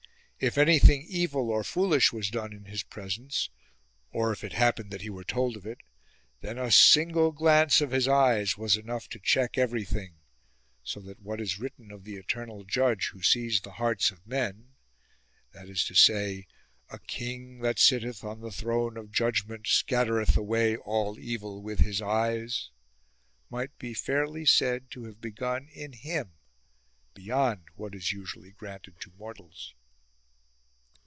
If anything evil or foolish was done in his presence, or if it happened that he were told of it, then a single glance of his eyes was enough to check every thing, so that what is written of the eternal Judge who sees the hearts of men (viz. " A King that sitteth on the throne of judgment, scattereth away all evil with His eyes ") might be fairly said to have begun in him, beyond what is usually granted to mortals.